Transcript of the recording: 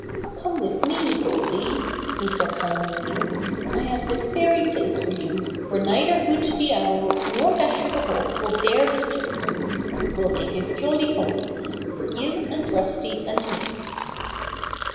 "Come with me, Goldy," he said finally. "I have the very place for you where neither Hoot the Owl nor Dasher the Hawk will dare disturb you. We'll make a jolly company — you and Rusty and me."